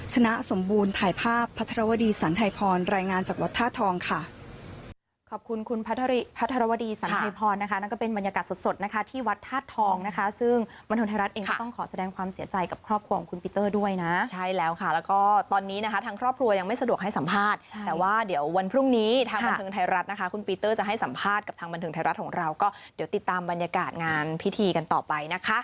ชนะสมบูรณ์ถ่ายภาพพัทรวดีสันไทยพรรายงานจากวัดธาตุทองค่ะ